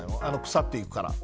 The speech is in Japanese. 腐っていくから。